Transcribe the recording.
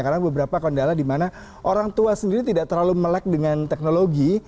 karena beberapa kendala dimana orang tua sendiri tidak terlalu melek dengan teknologi